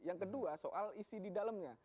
ada soal isi di dalamnya